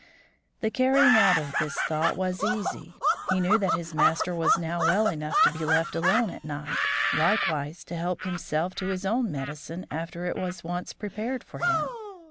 The carrying out of this thought was easy. He knew that his master was now well enough to be left alone at night, likewise to help himself to his own medicine after it was once prepared for him.